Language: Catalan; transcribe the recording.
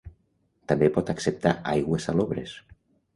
També pot acceptar aigües salobres.